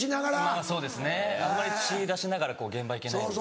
まぁそうですねあんまり血出しながら現場行けないので。